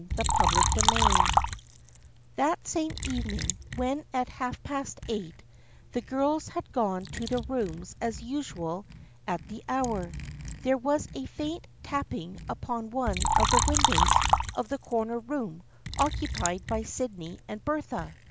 CHAPTER IV HAT same evening when at half past eight the A girls had gone to their rooms as usual at that hour, there was a faint tapping upon one of the windows of the corner room occupied by Sydney and Bertha.